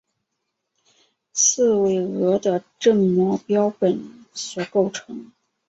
刺猬鳄的正模标本所构成。